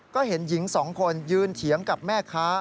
ก็เห็นหญิงสองคนยืนเถียงกับแม่ค้า